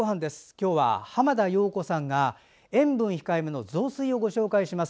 今日は浜田陽子さんが塩分控えめの雑炊をご紹介します。